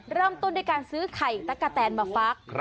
เริ่มต้นด้วยการซื้อไข่ตะกะแตนมาฟัก